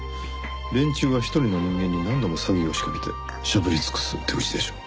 連中は一人の人間に何度も詐欺を仕掛けてしゃぶり尽くす手口でしょ。